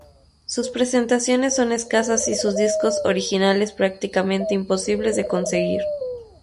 Sus presentaciones son escasas y sus discos originales prácticamente imposibles de conseguir.